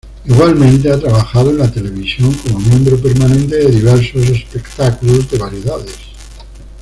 Igualmente ha trabajado en la televisión como miembro permanente de diversos espectáculos de variedades.